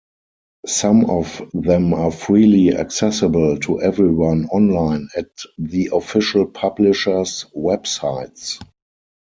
Some of them are freely accessible to everyone online at the official publishers websites.